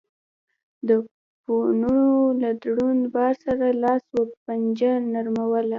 د پورونو له دروند بار سره لاس و پنجه نرموله